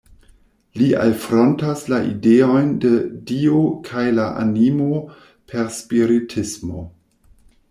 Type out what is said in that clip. Li alfrontas la ideojn de Dio kaj la animo per spiritismo.